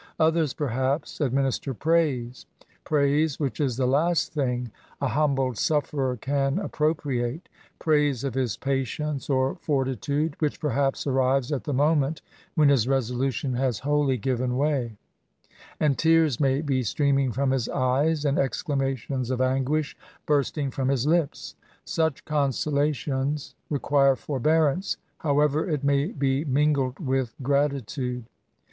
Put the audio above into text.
Others, perhaps, adkninister praise , *prai8e» which is the last thing a humbled sufferer can appropriate ;— praise of his patience or fertitude, which perhaps arrives at the moment when his resolution has wholly giyen way, and tears may be streaming from his eyes, and exclamations of anguish bursting from his lips* Such consolations require forbearance, however it may be mingled with gratitude.